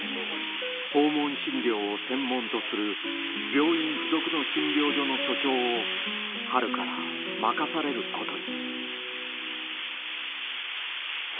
訪問診療を専門とする病院付属の診療所の所長を春から任されることに。